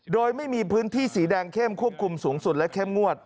โดยไม่มีพื้นที่สีแดงเข้มควบคุมสูงสุดและเข้มงวด